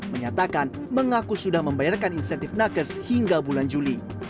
menyatakan mengaku sudah membayarkan insentif nakes hingga bulan juli